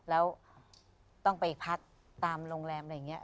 แล้วต้องไปพักตามโรงแรมอะไรอย่างนี้